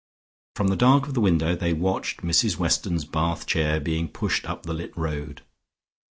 From the dark of the window they watched Mrs Weston's bath chair being pushed up the lit road.